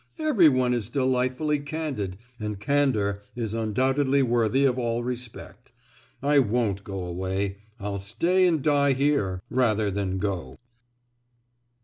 Everyone is delightfully candid—and candour is undoubtedly worthy of all respect! I won't go away—I'll stay and die here rather than go!"